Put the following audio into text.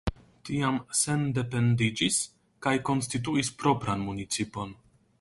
Tiam sendependiĝis kaj konstituis propran municipon.